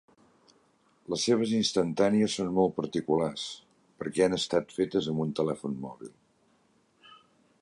Les seves instantànies són molt particulars, perquè han estat fetes amb un telèfon mòbil.